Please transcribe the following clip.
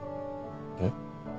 えっ？